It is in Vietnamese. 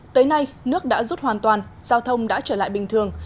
tới nay nước đã rút hoàn toàn giao thông đã trở lại bình thường